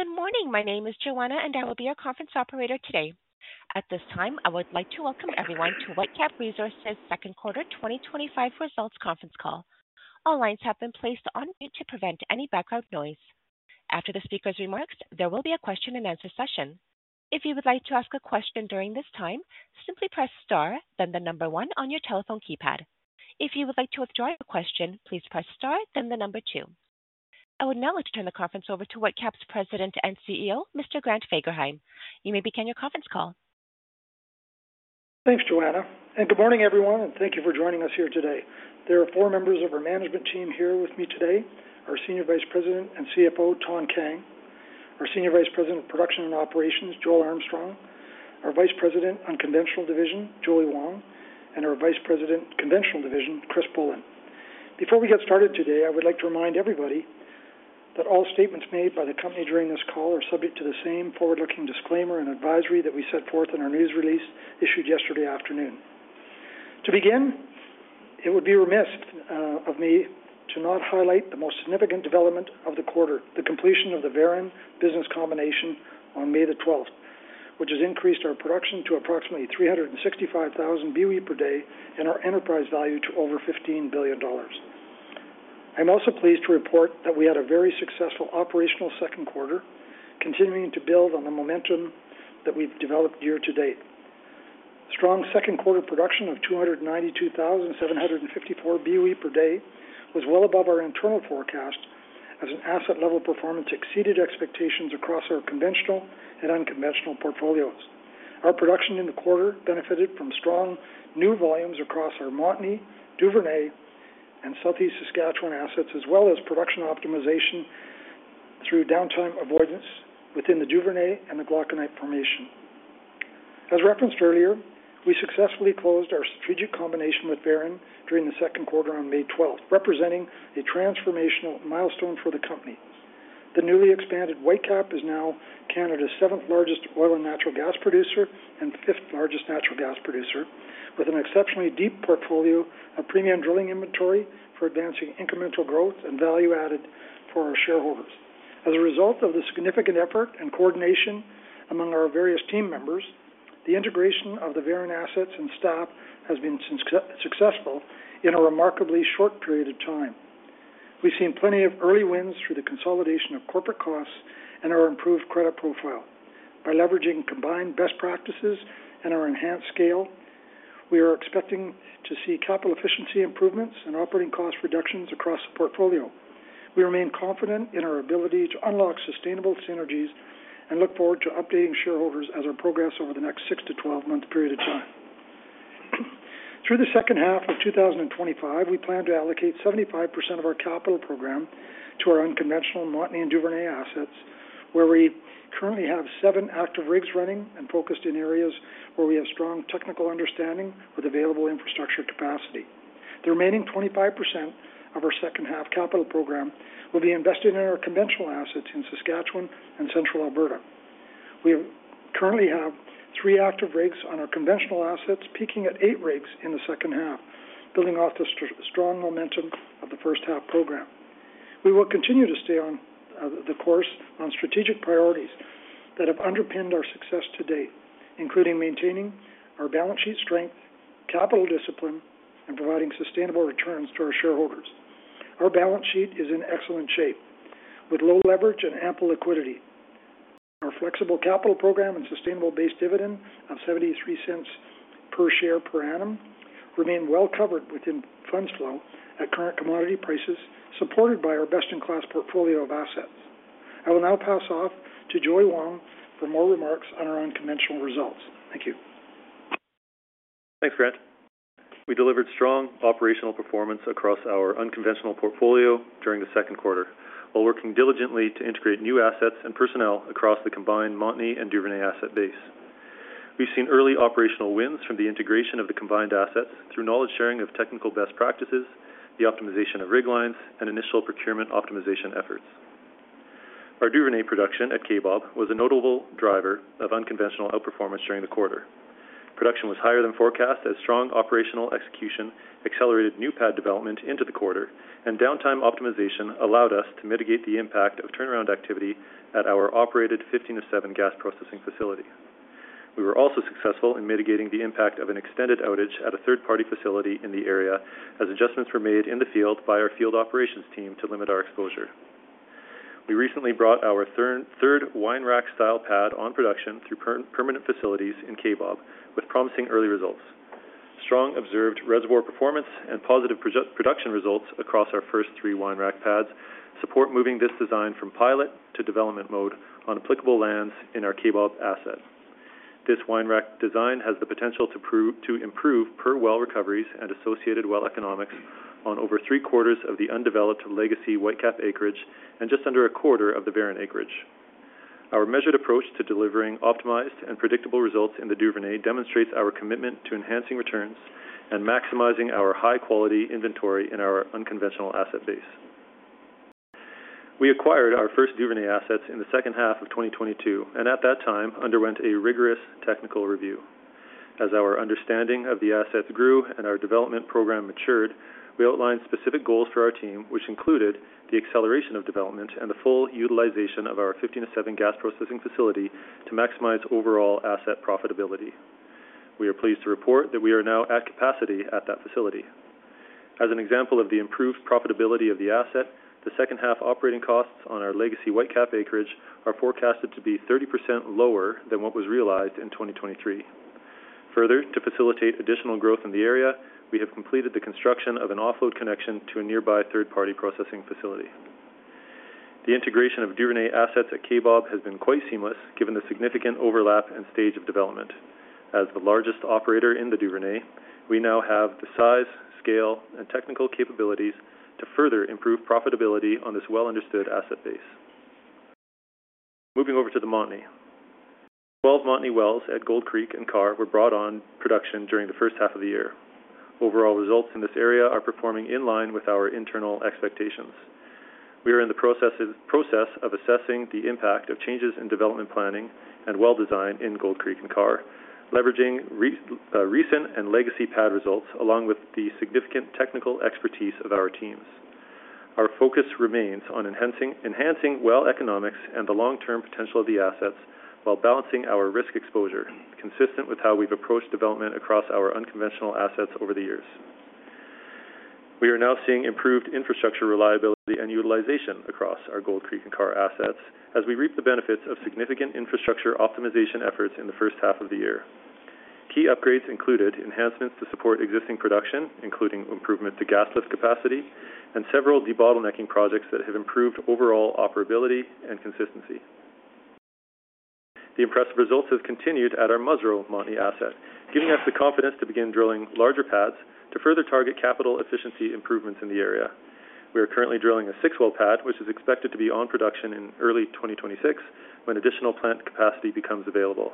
Good morning. My name is Joanna, and I will be your conference operator today. At this time, I would like to welcome everyone to Whitecap Resources Second Quarter twenty twenty five Results Conference Call. All lines have been placed on mute to prevent any background noise. After the speakers' remarks, there will be a question and answer session. I would now like to turn the conference over to Whitecap's President and CEO, Mr. Grant Fagerheim. You may begin your conference call. Thanks, Joanna, and good morning, everyone, and thank you for joining us here today. There are four members of our management team here with me today: our Senior Vice President and CFO, Thanh Kang our Senior Vice President, Production and Operations, Joel Armstrong our Vice President, Unconventional Division, Julie Wong and our Vice President, Conventional Division, Chris Pullen. Before we get started today, I would like to remind everybody that all statements made by the company during this call are subject to the same forward looking disclaimer and advisory that we set forth in our news release issued yesterday afternoon. To begin, it would be remiss of me to not highlight the most significant development of the quarter, the completion of the Varen business combination on May 12, which has increased our production to approximately 365,000 BOE per day and our enterprise value to over $15,000,000,000 I'm also pleased to report that we had a very successful operational second quarter continuing to build on the momentum that we've developed year to date. Strong second quarter production of 292,754 BOE per day was well above our internal forecast as an asset level performance exceeded expectations across our conventional and unconventional portfolios. Our production in the quarter benefited from strong new volumes across our Montney, Duvernay and Southeast Saskatchewan assets as well as production optimization through downtime avoidance within the Duvernay and the Glockonite formation. As referenced earlier, we successfully closed our strategic combination with Varen during the second quarter on May 12, representing a transformational milestone for the company. The newly expanded Whitecap is now Canada's seventh largest oil and natural gas producer and fifth largest natural gas producer with an exceptionally deep portfolio of premium drilling inventory for advancing incremental growth and value added for our shareholders. As a result of the significant effort and coordination among our various team members, the integration of the Varon assets and staff has been successful in a remarkably short period of time. We've seen plenty of early wins through the consolidation of corporate costs and our improved credit profile. By leveraging combined best practices and our enhanced scale, we are expecting to see capital efficiency improvements and operating cost reductions across the portfolio. We remain confident in our ability to unlock sustainable synergies and look forward to updating shareholders as our progress over the next six to twelve month period of time. Through the second half of twenty twenty five, we plan to allocate 75% of our capital program to our unconventional Montney and Duvernay assets where we currently have seven active rigs running and focused in areas where we have strong technical understanding with available infrastructure capacity. The remaining 25% of our second half capital program will be invested in our conventional assets in Saskatchewan and Central Alberta. We currently have three active rigs on our conventional assets peaking at eight rigs in the second half building off the strong momentum of the first half program. We will continue to stay on the course on strategic priorities that have underpinned our success to date, including maintaining our balance sheet strength, capital discipline and providing sustainable returns to our shareholders. Our balance sheet is in excellent shape with low leverage and ample liquidity. Our flexible capital program and sustainable base dividend of $0.73 per share per annum remain well covered within funds flow at current commodity prices supported by our best in class portfolio of assets. I will now pass off to Joy Wong for more remarks on our unconventional results. Thank you. Thanks Grant. We delivered strong operational performance across our unconventional portfolio during the second quarter, while working diligently to integrate new assets and personnel across the combined Montney and Duvernay asset base. We've seen early operational wins from the integration of the combined assets through knowledge sharing of technical best practices, the optimization of rig lines and initial procurement optimization efforts. Our Duvernay production at Kaybob was a notable driver of unconventional outperformance during the Production was higher than forecast as strong operational execution accelerated new pad development into the quarter and downtime optimization allowed us to mitigate the impact of turnaround activity at our operated fifteen oh seven gas processing facility. We were also successful in mitigating the impact of an extended outage at a third party facility in the area as adjustments were made in the field by our field operations team to limit our exposure. We recently brought our third wine rack style pad on production through permanent facilities in Kaybob with promising early results. Strong observed reservoir performance and positive production results across our first three wine rack pads support moving this design from pilot to development mode on applicable lands in our Keebob asset. This wine rack design has the potential to improve per well recoveries and associated well economics on over three quarters of the undeveloped legacy Whitecap acreage and just under a quarter of the Barron acreage. Our measured approach to delivering optimized and predictable results in the Duvernay demonstrates our commitment to enhancing returns and maximizing our high quality inventory in our unconventional asset base. We acquired our first Duvernay assets in the 2022 and at that time, underwent a rigorous technical review. As our understanding of the assets grew and our development program matured, we outlined specific goals for our team, which included the acceleration of development and the full utilization of our fifteen-seven gas processing facility to maximize overall asset profitability. We are pleased to report that we are now at capacity at that facility. As an example of the improved profitability of the asset, the second half operating costs on our legacy Whitecap acreage are forecasted to be 30% lower than what was realized in 2023. Further, to facilitate additional growth in the area, we have completed the construction of an offload connection to a nearby third party processing facility. The integration of Duvernay assets at Kaybob has been quite seamless given the significant overlap and stage of development. As the largest operator in the Duvernay, we now have the size, scale and technical capabilities to further improve profitability on this well understood asset base. Moving over to the Montney. 12 Montney wells at Gold Creek and Carr were brought on production during the first half of the year. Overall results in this area are performing in line with our internal expectations. We are in the process of assessing the impact of changes in development planning and well design in Gold Creek and Carr, leveraging recent and legacy pad results along with the significant technical expertise of our teams. Our focus remains on enhancing well economics and the long term potential of the assets while balancing our risk exposure, consistent with how we've approached development across our unconventional assets over the years. We are now seeing improved infrastructure reliability and utilization across our Gold Creek and Carr assets as we reap the benefits of significant infrastructure optimization efforts in the first half of the year. Key upgrades included enhancements to support existing production, including improvement to gas lift capacity and several debottlenecking projects that have improved overall operability and consistency. The impressive results have continued at our Musro Montney asset, giving us the confidence to begin drilling larger pads to further target capital efficiency improvements in the area. We are currently drilling a six well pad, which is expected to be on production in early twenty twenty six when additional plant capacity becomes available.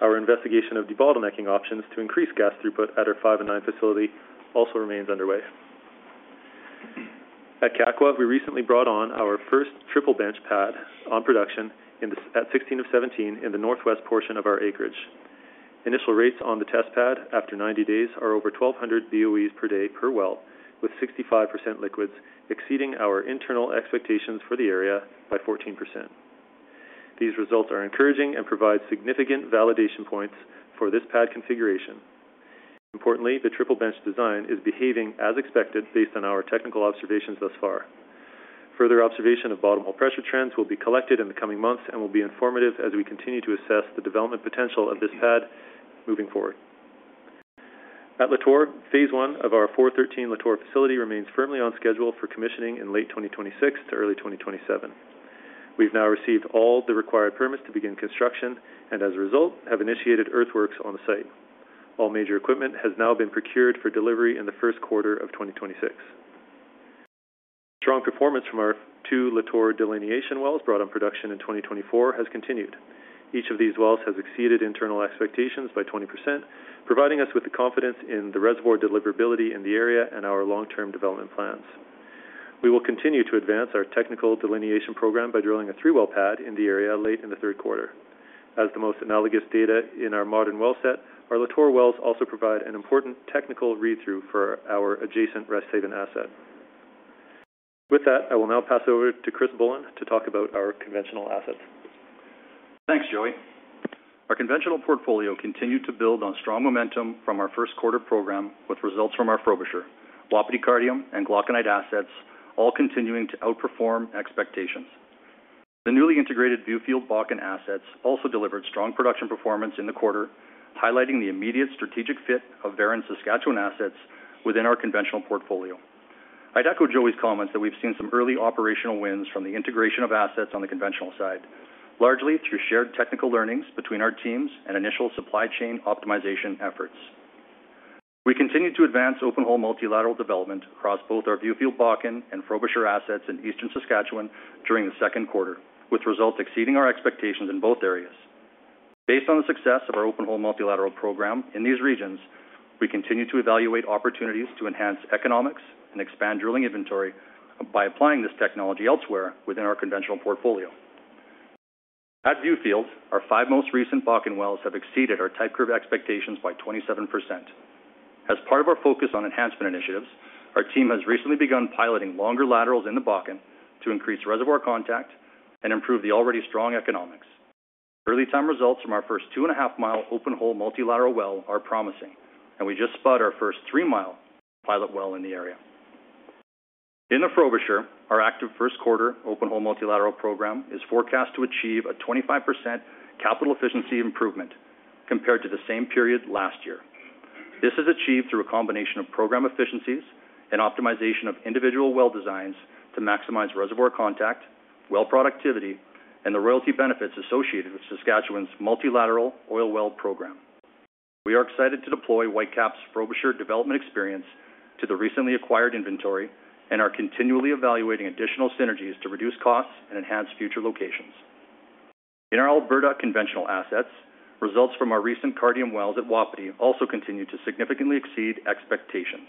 Our investigation of debottlenecking options to increase gas throughput at our 509 facility also remains underway. At Catqua, we recently brought on our first triple bench pad on production at 16 of 17 in the Northwest portion of our acreage. Initial rates on the test pad after ninety days are over 1,200 BOEs per day per well with 65% liquids, exceeding our internal expectations for the area by 14%. These results are encouraging and provide significant validation points for this pad configuration. Importantly, the triple bench design is behaving as expected based on our technical observations thus far. Further observation of bottom hole pressure trends will be collected in the coming months and will be informative as we continue to assess the development potential of this pad moving forward. At Latour, Phase one of our four thirteen Latour facility remains firmly on schedule for commissioning in late twenty twenty six to early twenty twenty seven. We've now received all the required permits to begin construction and as a result have initiated earthworks on the site. All major equipment has now been procured for delivery in the first quarter of twenty twenty six. Strong performance from our two Latour delineation wells brought on production in 2024 has continued. Each of these wells has exceeded internal expectations by 20%, providing us with the confidence in the reservoir deliverability in the area and our long term development plans. We will continue to advance our technical delineation program by drilling a three well pad in the area late in the third quarter. As the most analogous data in our modern well set, our Latour wells also provide an important technical read through for our adjacent Rest Haven asset. With that, I will now pass over to Chris Bullen to talk about our conventional assets. Thanks, Joey. Our conventional portfolio continued to build on strong momentum from our first quarter program with results from our Frobisher, Wapiti Cardium and Glockonite assets all continuing to outperform expectations. The newly integrated Viewfield Bakken assets also delivered strong production performance in the quarter highlighting the immediate strategic fit of Varon's Saskatchewan assets within our conventional portfolio. I'd echo Joey's comments that we've seen some early operational wins from the integration of assets on the conventional side, largely through shared technical learnings between our teams and initial supply chain optimization efforts. We continue to advance open hole multilateral development across both our Viewfield Bakken and Frobisher assets in Eastern Saskatchewan during the second quarter with results exceeding our expectations in both areas. Based on the success of our open hole multilateral program in these regions, we continue to evaluate opportunities to enhance economics and expand drilling inventory by applying this technology elsewhere within our conventional portfolio. At Viewfield, our five most recent Bakken wells have exceeded our type curve expectations by 27%. As part of our focus on enhancement initiatives, our team has recently begun piloting longer laterals in the Bakken to increase reservoir contact and improve the already strong economics. Early time results from our first 2.5 mile open hole multilateral well are promising and we just spud our first three mile pilot well in the area. In the Frobisher, our active first quarter open hole multilateral program is forecast to achieve a 25% capital efficiency improvement compared to the same period last year. This is achieved through a combination of program efficiencies and optimization of individual well designs to maximize reservoir contact, well productivity and the royalty benefits associated with Saskatchewan's multilateral oil well program. We are excited to deploy Whitecap's Frobisher development experience to the recently acquired inventory and are continually evaluating additional synergies to reduce costs and enhance future locations. In our Alberta conventional assets, results from our recent Cardium wells at Wapiti also continue to significantly exceed expectations.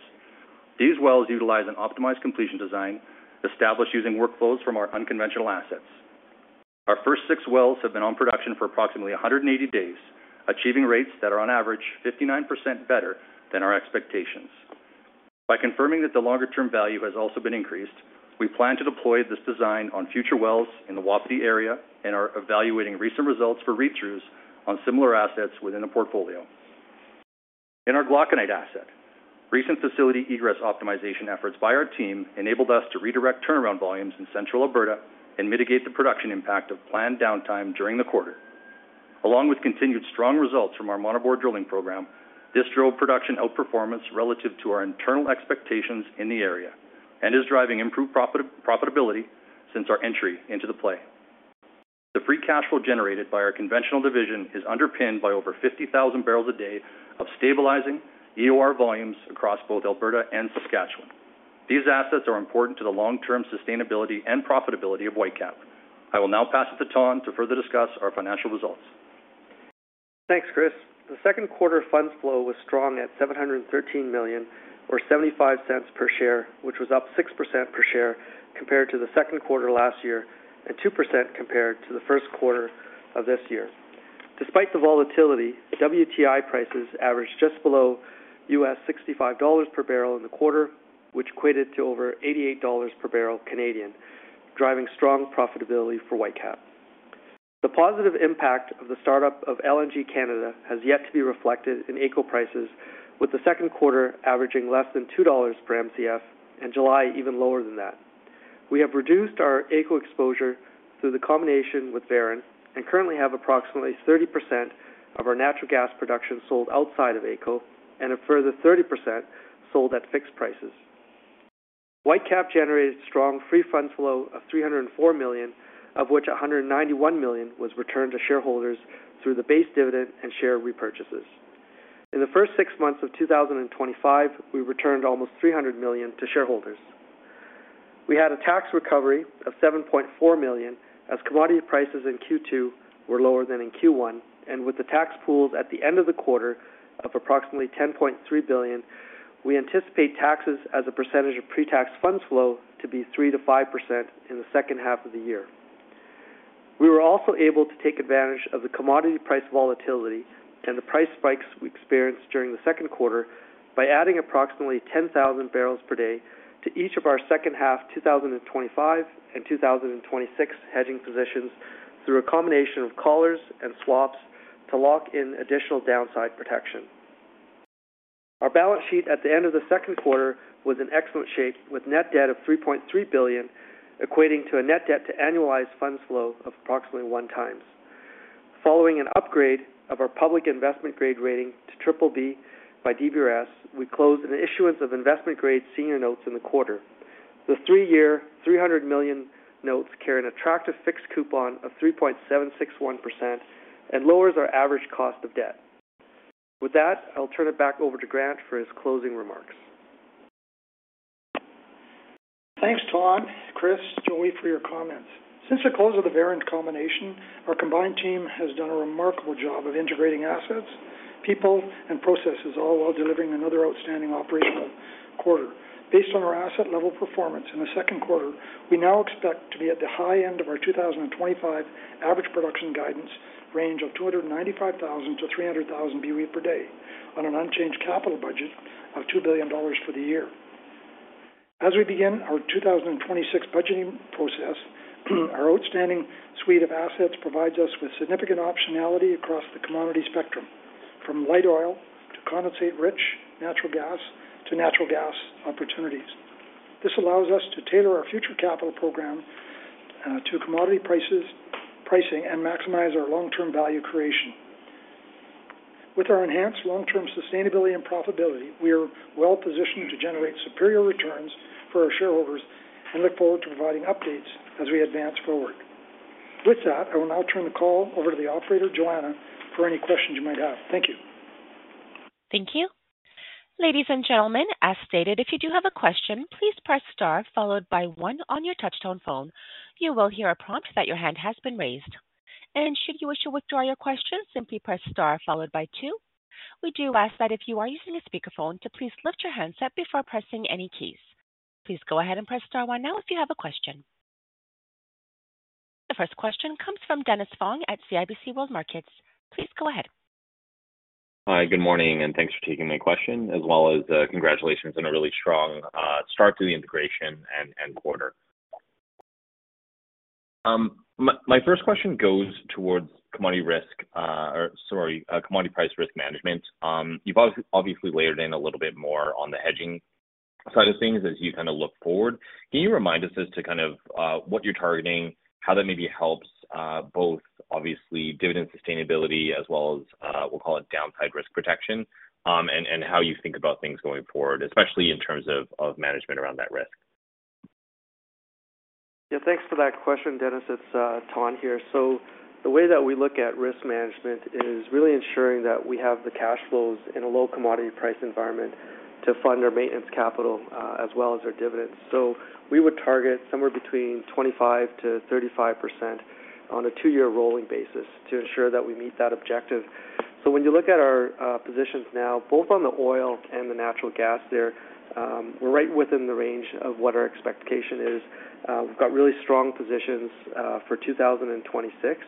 These wells utilize an optimized completion design established using workflows from our unconventional assets. Our first six wells have been on production for approximately one hundred and eighty days achieving rates that are on average 59% better than our expectations. By confirming that the longer term value has also been increased, we plan to deploy this design on future wells in the Wapiti area and are evaluating recent results for read throughs on similar assets within the portfolio. In our Glockonite asset, recent facility egress optimization efforts by our team enabled us to redirect turnaround volumes in Central Alberta and mitigate the production impact of planned downtime during the quarter. Along with continued strong results from our monoboard drilling program, this drove production outperformance relative to our internal expectations in the area and is driving improved profitability since our entry into the play. The free cash flow generated by our conventional division is underpinned by over 50,000 barrels a day of stabilizing EOR volumes across both Alberta and Saskatchewan. These assets are important to the long term sustainability and profitability of Whitecap. I will now pass it to Thanh to further discuss our financial results. Thanks, Chris. The second quarter funds flow was strong at $713,000,000 or $0.75 per share, which was up 6% per share compared to the second quarter last year and 2% compared to the first quarter of this year. Despite the volatility, WTI prices averaged just below US65 dollars per barrel in the quarter, which equated to over 88 dollars per barrel, driving strong profitability for Whitecap. The positive impact of the startup of LNG Canada has yet to be reflected in AECO prices with the second quarter averaging less than $2 per Mcf and July even lower than that. We have reduced our AECO exposure through the combination with Verint and currently have approximately 30% of our natural gas production sold outside of AECO and a further 30% sold at fixed prices. Whitecap generated strong free funds flow of $3.00 €4,000,000 of which €191,000,000 was returned to shareholders through the base dividend and share repurchases. In the first six months of twenty twenty five, we returned almost €300,000,000 to shareholders. We had a tax recovery of 7.4 million as commodity prices in Q2 were lower than in Q1. And with the tax pools at the end of the quarter of approximately 10.3 billion, we anticipate taxes as a percentage of pretax funds flow to be 3% to 5% in the second half of the year. We were also able to take advantage of the commodity price volatility and the price spikes we experienced during the second quarter by adding approximately 10,000 barrels per day to each of our second half twenty twenty five and 2026 hedging positions through a combination of collars and swaps to lock in additional downside protection. Our balance sheet at the end of the second quarter was in excellent shape with net debt of 3,300,000,000.0 equating to a net debt to annualized funds flow of approximately one times. Following an upgrade of our public investment grade rating to BBB by DBRS, we closed an issuance of investment grade senior notes in the quarter. The three year €300,000,000 notes carry an attractive fixed coupon of 3.761% and lowers our average cost of debt. With that, I'll turn it back over to Grant for his closing remarks. Thanks, Todd, Chris, Joey for your comments. Since the close of the Verint combination, our combined team has done a remarkable job of integrating assets, people and processes all while delivering another outstanding operational quarter. Based on our asset level performance in the second quarter, we now expect to be at the high end of our 2025 average production range of 295,000 to 300,000 BOE per day on an unchanged capital budget of $2,000,000,000 for the year. As we begin our 2026 budgeting process, our outstanding suite of assets provides us with significant optionality across the commodity spectrum from light oil to condensate rich natural gas to natural gas opportunities. This allows us to tailor our future capital program to commodity prices pricing and maximize our long term value creation. With our enhanced long term sustainability and profitability, we are well positioned to generate superior returns for our shareholders and look forward to providing updates as we advance forward. With that, I will now turn the call over to the operator, Joanna, for any questions you might have. Thank you. Thank The first question comes from Dennis Fong at CIBC World Markets. Please go ahead. Hi, good morning and thanks for taking my question as well as congratulations on a really strong start to the integration and quarter. My first question goes towards commodity risk or sorry, commodity price risk management. You've obviously layered in a little bit more on the hedging side of things as you kind of look forward. Can you remind us as to kind of what you're targeting, how that maybe helps both obviously dividend sustainability as well as we'll call it downside risk protection and how you think about things going forward, especially in terms of management around that risk? Thanks for that question Dennis. It's Thanh here. So the way that we look at risk management is really ensuring that we have the cash flows in a low commodity price environment to fund our maintenance capital as well as our dividends. So we would target somewhere between 25% to 35% on a two year rolling basis to ensure that we meet that objective. So when you look at our positions now, both on the oil and the natural gas there, we're right within the range of what our expectation is. We've got really strong positions for 2026.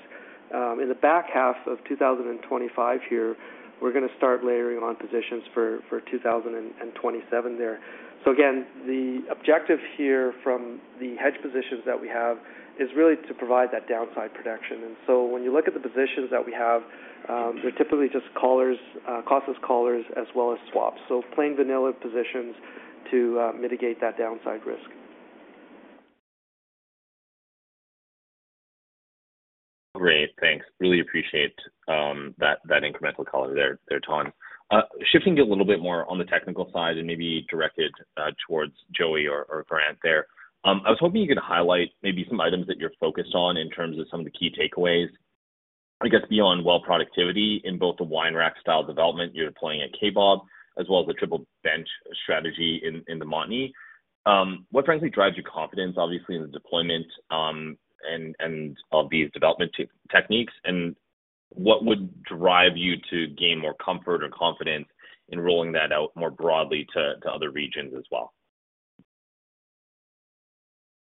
In the back half of 2025 here, we're going to start layering on positions for 2027 there. So again, the objective here from the hedge positions that we have is really to provide that downside protection. And so when you look at the positions that we have, they're typically just collars costless collars as well as swaps. So plain vanilla positions to mitigate that downside risk. Great. Thanks. Really appreciate that incremental color there, Thanh. Shifting a little bit more on the technical side and maybe directed towards Joey or Grant there. I was hoping you could highlight maybe some items that you're focused on in terms of some of the key takeaways, I guess, beyond well productivity in both the wine rack style development you're deploying at KBOB as well as the triple bench strategy in the Montney. What frankly drives you confidence obviously in the deployment and of these development techniques? And what would drive you to gain more comfort or confidence in rolling that out more broadly to other regions as well?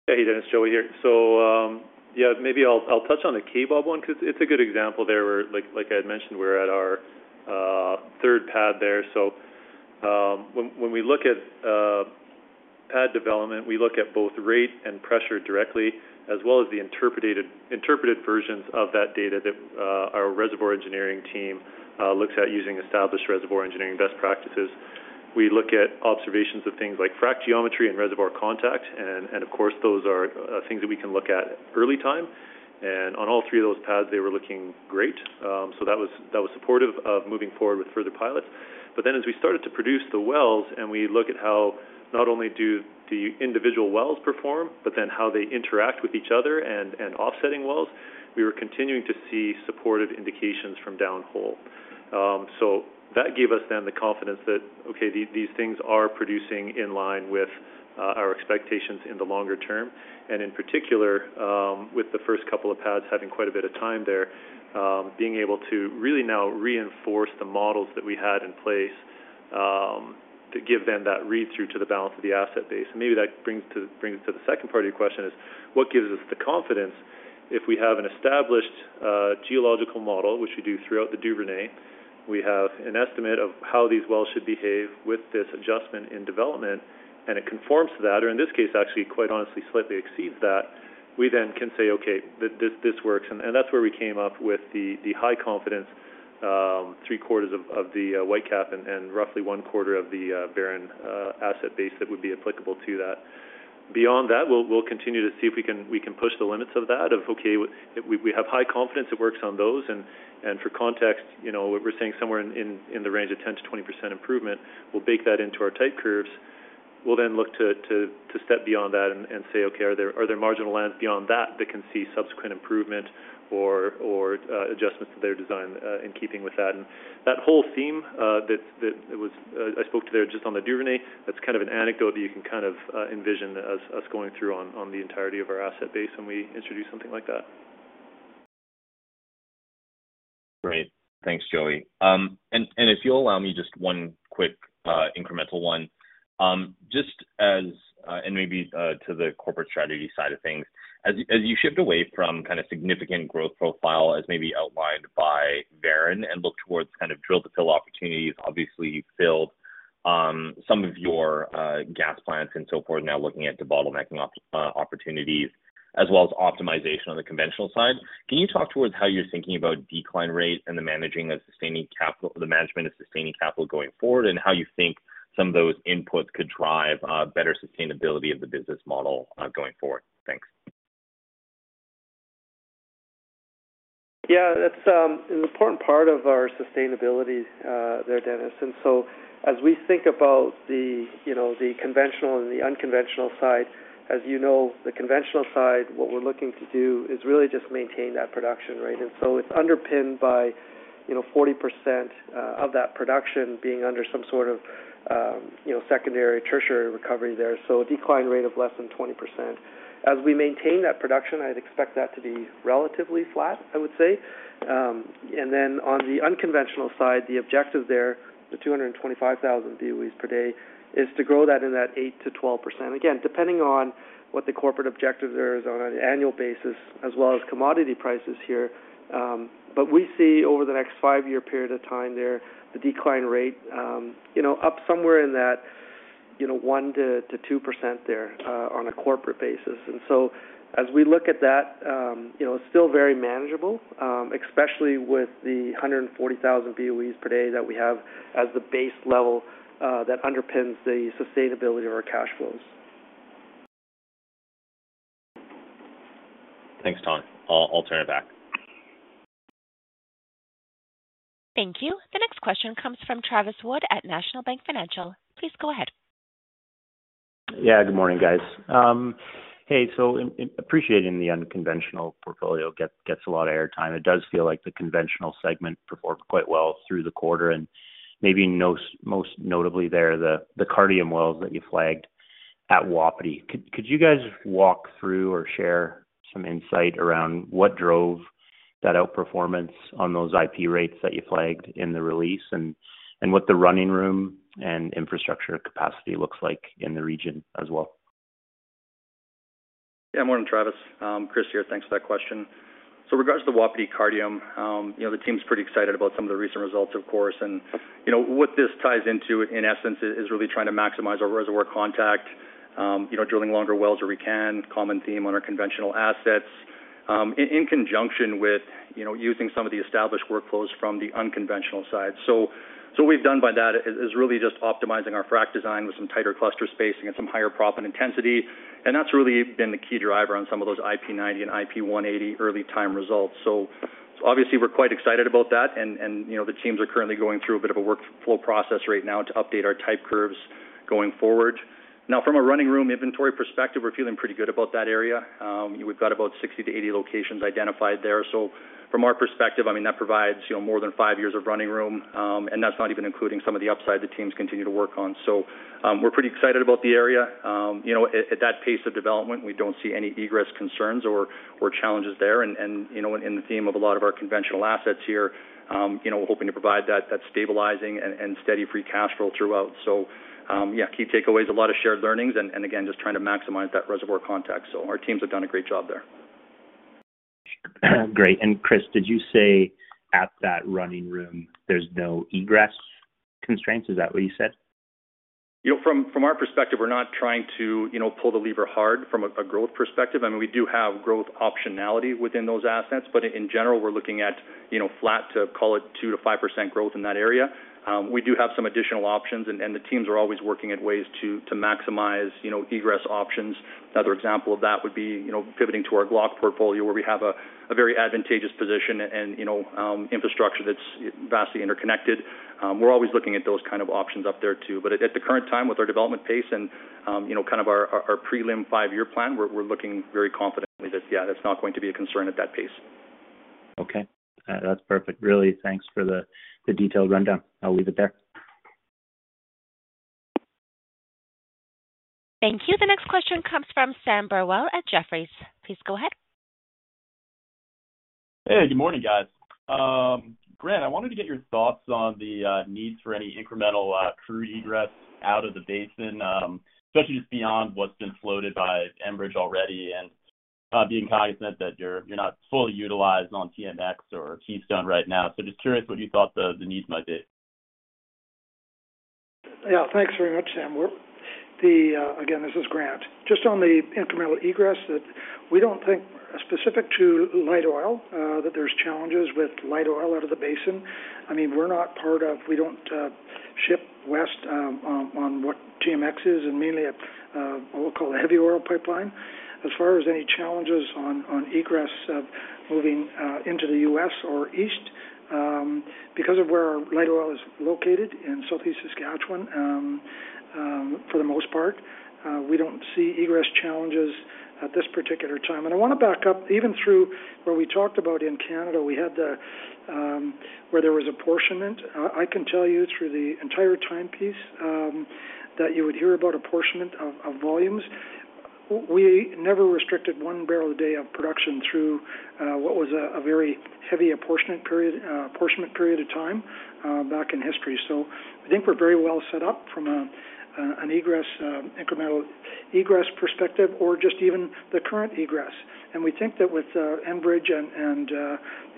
Hey Dennis, Joey here. So yes, maybe I'll touch on the K BOB one because it's a good example there. Like I had mentioned, we're at our third pad there. So when we look at pad development, we look at both rate and pressure directly as well as the interpreted versions of that data that our reservoir engineering team looks at using established reservoir engineering best practices. We look at observations of things like frac geometry and reservoir contact. And of course, those are things that we can look at early time. And on all three of those pads, they were looking great. So that was supportive of moving forward with further pilots. Then But as we started to produce the wells and we look at how not only do the individual wells perform, but then how they interact with each other and offsetting wells, we were continuing to see supportive indications from downhole. So that gave us then the confidence that, okay, these things are producing in line with our expectations in the longer term. And in particular, with the first couple of pads having quite a bit of time there, being able to really reinforce the models that we had in place to give them that read through to the balance of the asset base. And maybe that brings to the second part of your question is what gives us the confidence if we have an established geological model, which we do throughout the Duvernay, we have an estimate of how these wells should behave with this adjustment in development and it conforms to that or in this case actually quite honestly slightly exceeds that, we then can say, okay, this works. And that's where we came up with the high confidence three quarters of the Whitecap and roughly one quarter of the Barron asset base that would be applicable to that. Beyond that, we'll continue to see if we can push the limits of that. If okay, we have high confidence, it works on those. And for context, we're seeing somewhere in the range of 10% to 20% improvement. We'll bake that into our type curves. We'll then look to step beyond that and say, okay, there marginal lands beyond that that can see subsequent improvement or adjustments to their design in keeping with that? And that whole theme that was I spoke to there just on the Duvernay, that's kind of an anecdote that you can kind of envision us going through on the entirety of our asset base when we introduce something like that. Great. Thanks, Joey. And if you'll allow me just one quick incremental one. Just as and maybe to the corporate strategy side of things, as shift away from kind of significant growth profile as maybe outlined by Varon and look towards kind of drill to fill opportunities, obviously, you've filled some of your gas plants and so forth now looking at debottlenecking opportunities as well as optimization on the conventional side. Can you talk towards how you're thinking about decline rate and the managing of sustaining capital the management of sustaining capital going forward and how you think some of those inputs could drive better sustainability of the business model going forward? Thanks. Yeah, that's an important part of our sustainability there, Dennis. And so as we think about the conventional and the unconventional side, as you know, the conventional side, what we're looking to do is really just maintain that production rate. And so it's underpinned by 40% of that production being under some sort of secondary tertiary recovery there, so a decline rate of less than 20%. As we maintain that production, I'd expect that to be relatively flat, would say. And then on the unconventional side, the objective there, the 225,000 BOEs per day, is to grow that in that 8% to 12%. Again, depending on what the corporate objective there is on an annual basis as well as commodity prices here. But we see over the next five year period of time there, the decline rate up somewhere in that 1% to 2% there on a corporate basis. And so as we look at that, it's still very manageable, especially with the 140,000 BOEs per day that we have as the base level that underpins the sustainability of our cash flows. Thanks, Tom. I'll turn it back. Thank you. The next question comes from Travis Wood at National Bank Financial. Please go ahead. Yes, good morning guys. Hey, so appreciating the unconventional portfolio gets a lot of airtime. It does feel like the conventional segment performed quite well through the quarter and maybe most notably there the Cardium wells that you flagged at Wapiti. Could you guys walk through or share some insight around what drove that outperformance on those IP rates that you flagged in the release what the running room and infrastructure capacity looks like in the region as well? Good morning Travis, Chris here. Thanks for that question. So regards to Wapiti Cardium, the team is pretty excited about some of the recent results of course and what this ties into in essence is really trying to maximize our reservoir contact, drilling longer wells where we can, common theme on our conventional assets in conjunction with using some of the established workflows from the unconventional side. So what we've done by that is really just optimizing our frac design with some tighter cluster spacing and some higher proppant intensity. And that's really been the key driver on some of those IP90 and IP180 early time results. So obviously, we're quite excited about that. And the teams are currently going through a bit of a workflow process right now to update our type curves going forward. Now from a running room inventory perspective, we're feeling pretty good about that area. We've got about 60 to 80 locations identified there. So from our perspective, I mean that provides more than five years of running room, and that's not even including some of the upside the teams continue to work on. So we're pretty excited about the area. At that pace of development, we don't see any egress concerns or challenges there. And in the theme of a lot of our conventional assets here, we're hoping to provide that stabilizing and steady free cash flow throughout. So yeah, key takeaways, lot of shared learnings and again, just trying to maximize that reservoir context. Our teams have done a great job there. Great. And Chris, did you say at that running room there's no egress constraints? Is that what you said? You know from our perspective we're not trying to you know pull the lever hard from a growth perspective. Mean we do have growth optionality within those assets but in general we're looking at flat to, call it, 2% to 5% growth in that area. We do have some additional options, and the teams are always working at ways to maximize egress options. Another example of that would be pivoting to our Glock portfolio, where we have a very advantageous position and infrastructure that's vastly interconnected. We're always looking at those kind of options up there too. But at the current time with our development pace and kind of our prelim five year plan, we're looking very confidently that, yeah, that's not going to be a concern at that pace. Okay, that's perfect. Really thanks for the detailed rundown. I'll leave it there. Thank you. The next question comes from Sam Burwell at Jefferies. Please go ahead. Hey, good morning, guys. Grant, I wanted to get your thoughts on the needs for any incremental crude egress out of the basin, especially just beyond what's been floated by Enbridge already and being cognizant that you're not fully utilized on TMX or Keystone right now. So just curious what you thought the needs might be. Yes. Thanks very much, Sam. This is Grant. Just on the incremental egress that we don't think specific to light oil that there's challenges with light oil out of the basin. I mean, we're not part of we don't ship west on what TMX is and mainly what we'll call a heavy oil pipeline. As far as any challenges on egress moving into The U. S. Or East, because of where our light oil is located in Southeast Saskatchewan for the most part, we don't see egress challenges at this particular time. And I want to back up even through where we talked about in Canada we had where there was apportionment. I can tell you through the entire timepiece that you would hear about apportionment of volumes. We never restricted one barrel a day of production through what was a very heavy apportionment period of time back in history. So I think we're very well set up from an egress incremental egress perspective or just even the current egress. And we think that with Enbridge and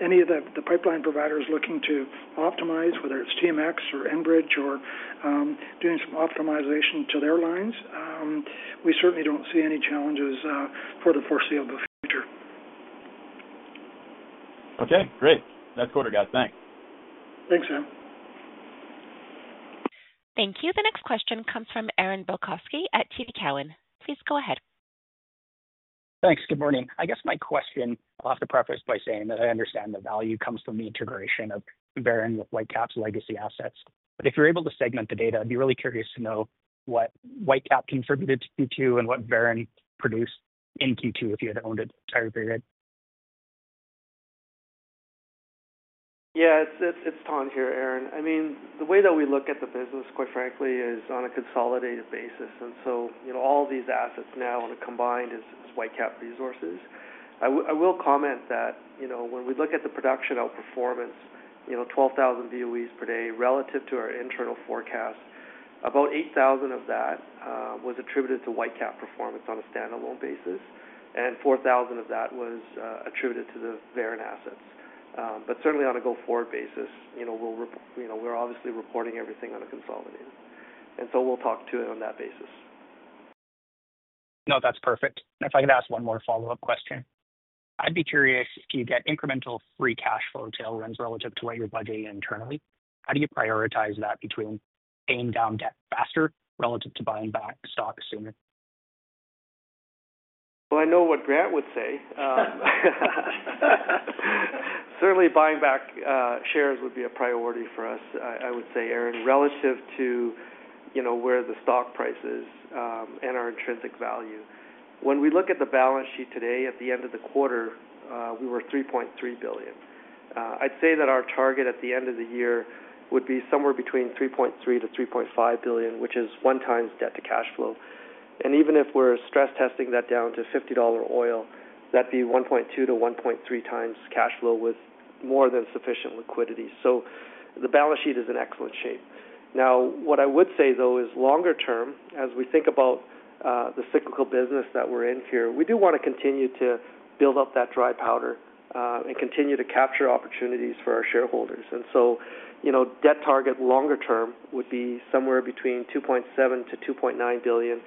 any of the pipeline providers looking to optimize whether it's TMX or Enbridge or doing some optimization to their lines, we certainly don't see any challenges for the foreseeable future. Great. Nice quarter guys. Thanks. Thanks, Sam. Thank you. The next question comes from Aaron Bilkoski at TD Cowen. Please go ahead. Thanks. Good morning. I guess my question, I'll have to preface by saying that I understand the value comes from the integration of Verint with Whitecap's legacy assets. But if you're able to segment the data, I'd be really curious to know what Whitecap contributed to q two and what Verint produced in q two if you had owned it the entire period. Yes, it's Thanh here, Aaron. I mean, the way that we look at the business quite frankly is on a consolidated basis. And so all these assets now on a combined is white cap resources. I will comment that when we look at the production outperformance 12,000 BOEs per day relative to our internal forecast about 8,000 of that was attributed to Whitecap performance on a standalone basis and 4,000 of that was attributed to the Verint assets. But certainly on a go forward basis, we're obviously reporting everything on a consolidated and so we'll talk to it on that basis. No, that's perfect. And if I could ask one more follow-up question. I'd be curious if you get incremental free cash flow tailwinds relative to what you're budgeting internally. How do you prioritize that between paying down debt faster relative to buying back stock sooner? Well, I know what Grant would say. Certainly buying back shares would be a priority for us. I would say, Aaron, to where the stock price is and our intrinsic value. When we look at the balance sheet today at the end of the quarter, we were $3,300,000,000 I'd say that our target at the end of the year would be somewhere between 3,300,000,000.0 to $3,500,000,000 which is one times debt to cash flow. And even if we're stress testing that down to $50 oil, that'd be 1.2 times to 1.3 times cash flow with more than sufficient liquidity. So the balance sheet is in excellent shape. Now what I would say though is longer term, as we think about the cyclical business that we're in here, we do want to continue to build up that dry powder and continue to capture opportunities for our shareholders. And so debt target longer term would be somewhere between 2,700,000,000.0 to $2,900,000,000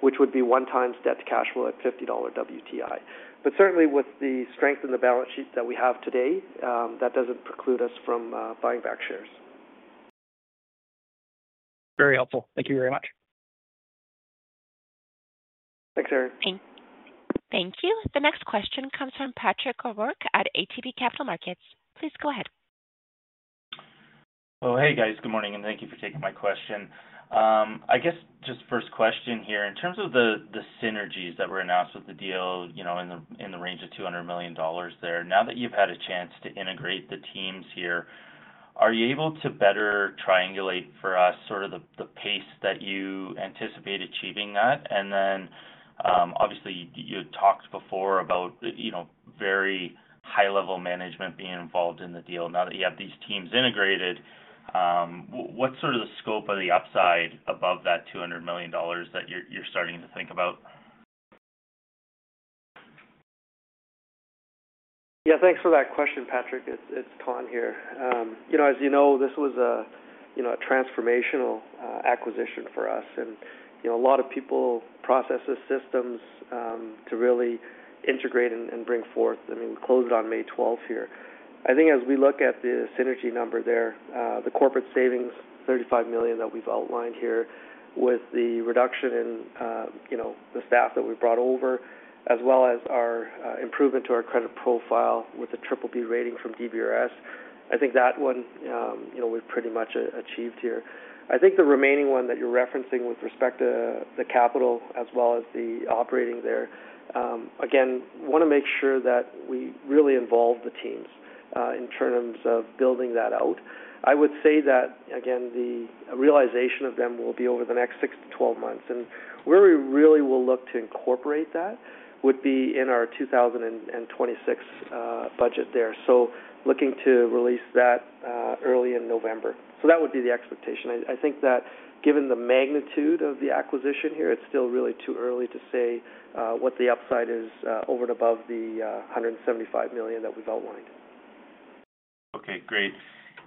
which would be one times debt to cash flow at $50 WTI. But certainly with the strength in the balance sheet that we have today that doesn't preclude us from buying back shares. Very helpful. Thank you very much. Thanks, Eric. Thank you. The next question comes from Patrick O'Rourke at ATB Capital Markets. Please go ahead. Hey, guys. Good morning and thank you for taking my question. I guess just first question here in terms of the synergies that were announced with the deal in the range of $200,000,000 there. Now that you've had a chance to integrate the teams here, are you able to better triangulate for us sort of the pace that you anticipate achieving that? And then obviously, you talked before about very high level management being involved in the deal. Now that you have these teams integrated, what sort of the scope of the upside above that $200,000,000 that you're starting to think about? Yes, thanks for that question Patrick. It's Thanh here. As you know, this was a transformational acquisition for us. And a lot of people process the systems to really integrate and bring forth. I mean, we closed on May 12 here. I think as we look at the synergy number there, the corporate savings, 35,000,000 that we've outlined here with the reduction in the staff that we brought over as well as our improvement to our credit profile with a BBB rating from DBRS, I think that one we've pretty much achieved here. I think the remaining one that you're referencing with respect to the capital as well as the operating there, again, want to make sure that we really involve the teams in terms of building that out. I would say that again the realization of them will be over the next six to twelve months. And where we really will look to incorporate that would be in our 2026 budget there. So looking to release that early in November. So that would be the expectation. I think that given the magnitude of the acquisition here, it's still really too early to say what the upside is over and above the $175,000,000 that we've outlined. Okay, great.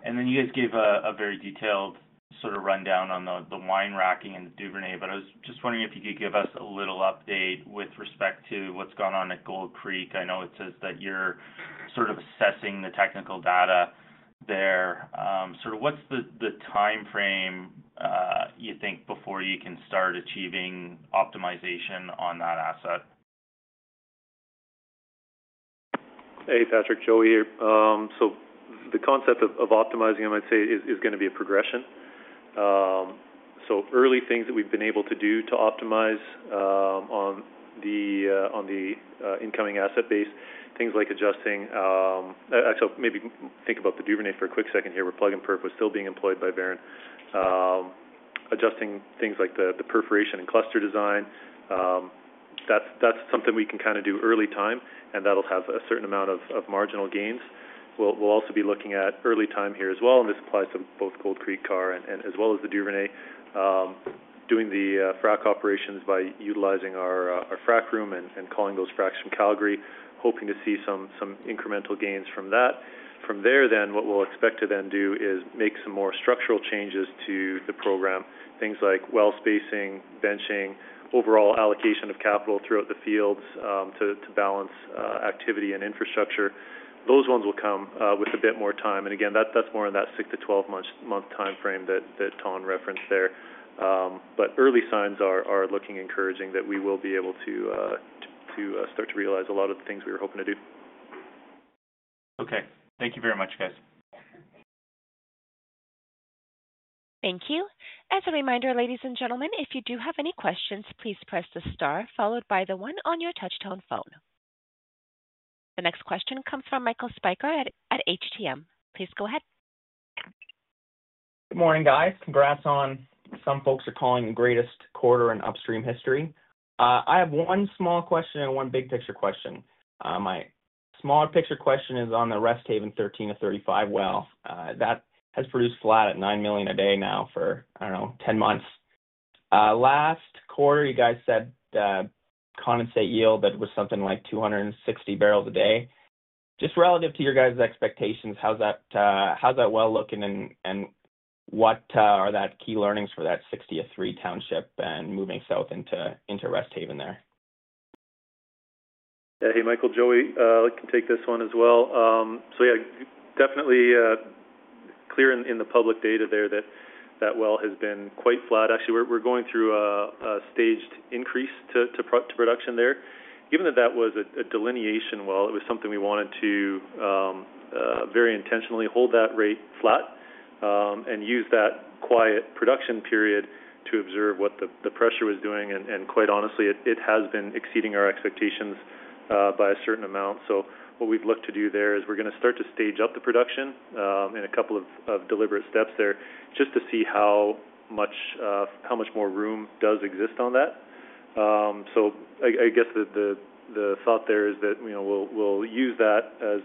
And then you guys gave a very detailed sort of rundown on the wine racking and Duvernay, I was just wondering if you could give us a little update with respect to what's going on at Gold Creek. I know it says that you're sort of assessing the technical data there. Sort of what's the timeframe you think before you can start achieving optimization on that asset? Hey, Patrick, Joey here. So the concept of optimizing, I might say, is going to be a progression. So early things that we've been able to do to optimize on the incoming asset base, things like adjusting so maybe think about the Duvernay for a quick second here where plug and perf was still being employed by Verint. Adjusting things like the perforation and cluster design, that's something we can kind of do early time, and that will have a certain amount of marginal gains. We'll also be looking at early time here as well, and this applies to both Gold Creek car and as well as the Duvernay doing the frac operations by utilizing our frac room and calling those fracs from Calgary, hoping to see some incremental gains from that. From there then, what we'll expect to then do is make some more structural changes to the program, things like well spacing, benching, overall allocation of capital throughout the fields to balance activity and infrastructure. Those ones will come with a bit more time. And again, that's more in that six to twelve month time frame that Tom referenced there. But early signs are looking encouraging that we will be able to start to realize a lot of the things we were hoping to do. Okay. Thank you very much, guys. Thank you. The next question comes from Michael Spiker at HTM. Please go ahead. Good morning, guys. Congrats on what some folks are calling the greatest quarter in upstream history. I have one small question and one big picture question. My smaller picture question is on the Rest Haven 13 to 35 well that has produced flat at 9,000,000 a day now for I don't know ten months. Last quarter you guys said condensate yield that was something like two sixty barrels a day. Just relative to your guys expectations how's that how's that well looking and and what are that key learnings for that Sixtieth 3 Township and moving south into Rest Haven there? Hey Michael, Joey, I can take this one as well. So yeah, definitely clear in the public data there that that well has been quite flat. Actually, we're going through a staged increase to production there. Even though that was a delineation well, it was something we wanted to very intentionally hold that rate flat and use that quiet production period to observe what the pressure was doing. And quite honestly, it has been exceeding our expectations by a certain amount. So what we'd look to do there is we're going to start to stage up the production in a couple of deliberate steps there just to see how much more room does exist on that. So I guess the thought there is that we'll use that as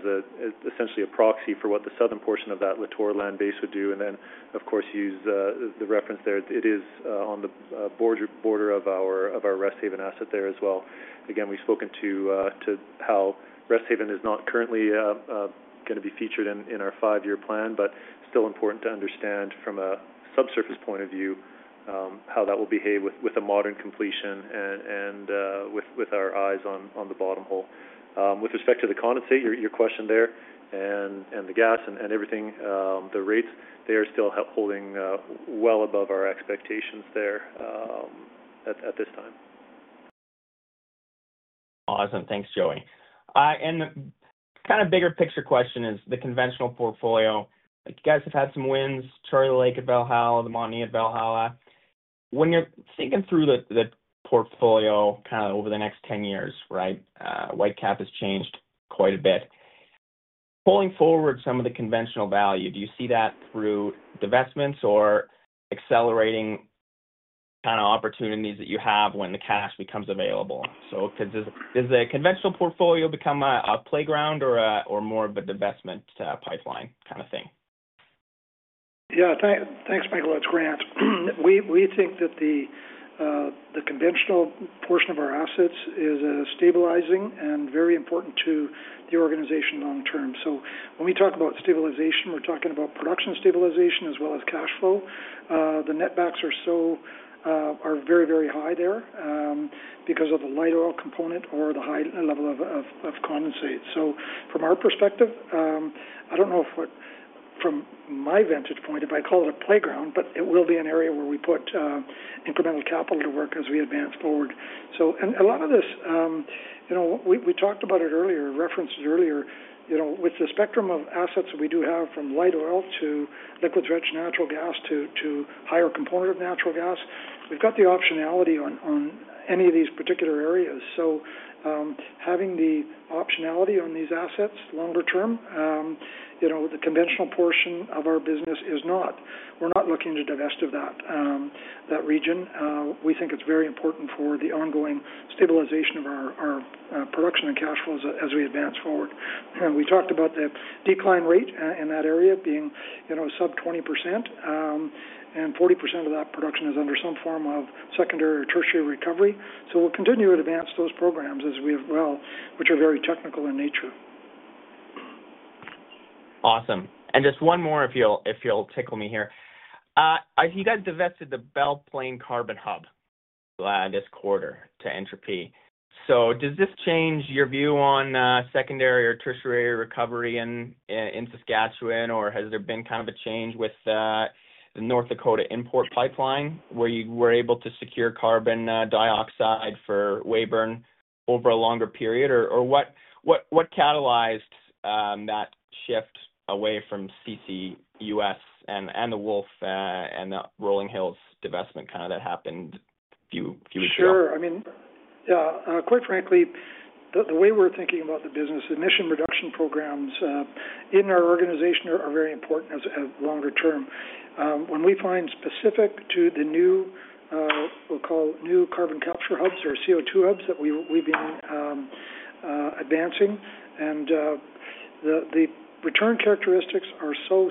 essentially a proxy for what the southern portion of that Latour land base would do. And then of course use the reference there, it is on the border of our Rest Haven asset there as well. Again, we've spoken to how Rest Haven is not currently going to be featured in our five year plan, but still important to understand from a subsurface point of view how that will behave with a modern completion and with our eyes on the bottom hole. With respect to the condensate, your question there and the gas and everything, the rates, they are still holding well above our expectations there at this time. Awesome. Thanks, Joey. And kind of bigger picture question is the conventional portfolio. You guys have had some wins, Charlie Lake at Valhalla, the Montney at Valhalla. When you're thinking through the portfolio kind of over the next ten years, Whitecap has changed quite a bit. Pulling forward some of the conventional value, do you see that through divestments or accelerating kind of opportunities that you have when the cash becomes available? So does the conventional portfolio become a playground or more of a divestment pipeline kind of thing? Yes. Thanks, Michael. It's Grant. We think that the conventional portion of our assets is stabilizing and very important to the organization long term. So when we talk about stabilization, we're talking about production stabilization as well as cash flow. The netbacks are so are very, very high there because of the light oil component or the high level of condensate. So from our perspective, don't I know if what from my vantage point, if I call it a playground, but it will be an area where we put incremental capital to work as we advance forward. So and a lot of this we talked about it earlier, referenced earlier with the spectrum of assets that we do have from light oil to liquids rich natural gas to higher component of natural gas, we've got the optionality on any of these particular areas. So having the optionality on these assets longer term, the conventional portion of our business is not we're not looking to divest of that region. We think it's very important for the ongoing stabilization of our production and cash flows as we advance forward. And we talked about the decline rate in that area being sub-twenty 40% of that production is under some form of secondary or tertiary recovery. So we'll continue to advance those programs as we have well, which are very technical in nature. Awesome. And just one more if you'll tickle me here. You guys divested the Belle Plaine Carbon Hub this quarter to entropy. So, does this change your view on secondary or tertiary recovery in Saskatchewan or has there been kind of a change with the North Dakota import pipeline where you were able to secure carbon dioxide for Weyburn over a longer period or what catalyzed that shift away from CCUS and the Wolf and the Rolling Hills divestment kind of that happened? Sure. I mean, quite frankly, the way we're thinking about the business emission reduction programs in our organization are very important as longer term. When we find specific to the new, we'll call new carbon capture hubs or CO2 hubs that we've been advancing and the return characteristics are so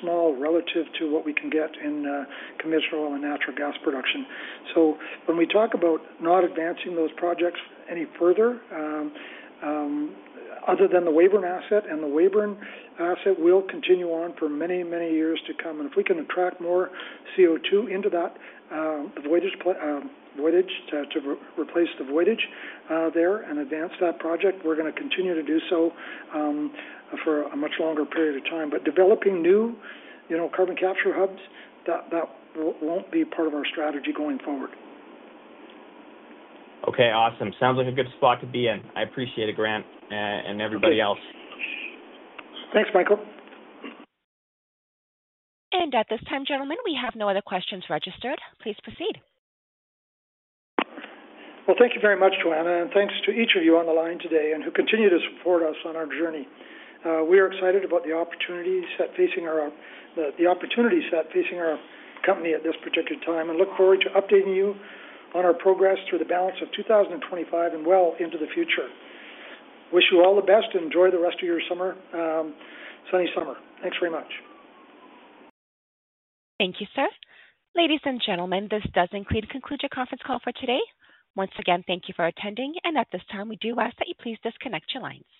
small relative to what we can get in commercial and natural gas production. So when we talk about not advancing those projects any further other than the Weyburn asset and the Weyburn asset will continue on for many, many years to come. And if we can attract more CO2 into that the voyage to replace the voyage there and advance that project, we're going to continue to do so for a much longer period of time. But developing new carbon capture hubs that won't be part of our strategy going forward. Okay, awesome. Sounds like a good spot to be in. I appreciate it Grant and everybody Thanks, Michael. And at this time, we have no other questions registered. Please proceed. Well, thank you very much, Joanna, and thanks to each of you on the line today and who continue to support us on our journey. We are excited about the opportunities that facing our company at this particular time and look forward to updating you on our progress through the balance of 2025 and well into the future. Wish you all the best and enjoy the rest of your summer, sunny summer. Thanks very much. Thank you, sir. Ladies and gentlemen, this does conclude your conference call for today. Once again, you for attending. And at this time, we do ask that you please disconnect your lines.